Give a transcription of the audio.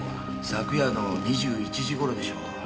昨夜の２１時頃でしょう。